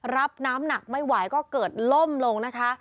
รับน้ำหนักไม่ไหวก็เกิดล่มลงนะคะ